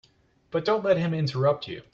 But don't let him interrupt you.